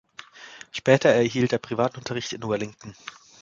Später erhielt er Privatunterricht in Wellington.